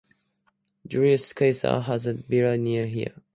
Julius Caesar had a villa near here.